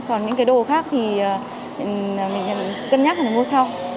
còn những cái đồ khác thì mình cân nhắc là mua sau